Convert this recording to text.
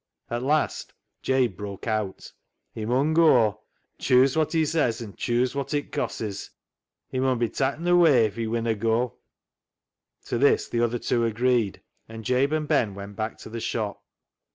At last Jabe broke out —" He mun goa, chuse wot he says and chuse wot it cosses (costs). He mun be ta'n away if he winna goa." To this the other two agreed, and Jabe and Ben went back to the shop.